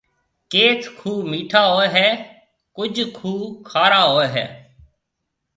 ڪيٿ کوھ ميٺا ھوئيَ ھيََََ ڪجھ کوھ کارا ھوئيَ ھيََََ